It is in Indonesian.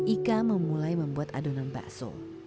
ika memulai membuat adonan bakso